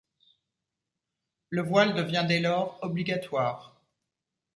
Le voile devient dès lors obligatoire.